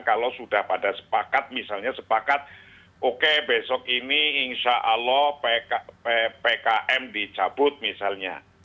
kalau sudah pada sepakat misalnya sepakat oke besok ini insya allah ppkm dicabut misalnya